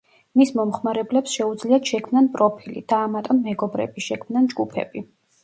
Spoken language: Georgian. მის მომხმარებლებს შეუძლიათ შექმნან პროფილი, დაამატონ მეგობრები, შექმნან ჯგუფები.